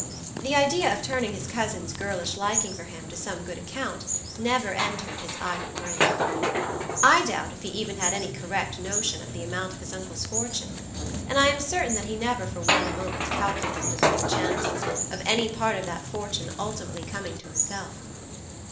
The idea of turning his cousin's girlish liking for him to some good account never entered his idle brain. I doubt if he even had any correct notion of the amount of his uncle's fortune, and I am certain that he never for one moment calculated upon the chances of any part of that fortune ultimately coming to himself.